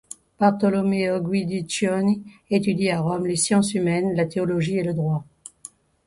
Bartolomeo Guidiccioni étudie à Rome les sciences humaines, la théologie et le droit.